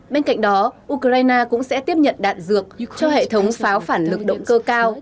bên cạnh đó ukraine cũng sẽ tiếp nhận đạn dược cho hệ thống pháo phản lực động cơ cao